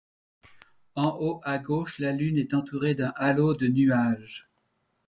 En haut à gauche la lune est entourée d'un halo de nuages.